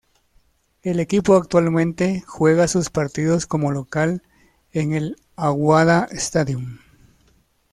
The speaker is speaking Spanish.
El equipo actualmente juega sus partidos como local en el Aguada Stadium.